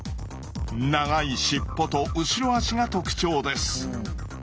長い尻尾と後ろ足が特徴です。